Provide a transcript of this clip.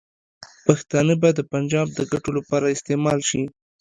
پښتانه به د پنجاب د ګټو لپاره استعمال شي.